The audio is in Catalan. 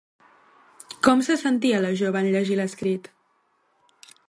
Com se sentia la jove en llegir l'escrit?